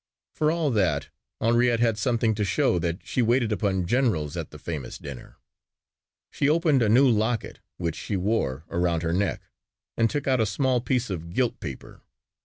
For all that Henriette had something to show that she waited upon generals at the famous dinner. She opened a new locket which she wore around her neck and took out a small piece of gilt paper.